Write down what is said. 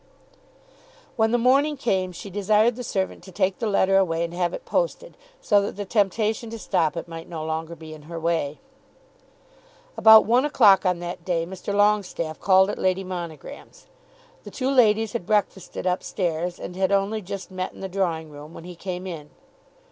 When the morning came she desired the servant to take the letter away and have it posted, so that the temptation to stop it might no longer be in her way. About one o'clock on that day Mr. Longestaffe called at Lady Monogram's. The two ladies had breakfasted up stairs, and had only just met in the drawing room when he came in.